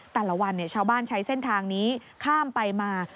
แต่ละวันชาวบ้านใช้เส้นทางนี้ข้ามไปมา